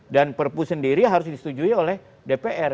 dan perpu sendiri harus disetujui oleh dpr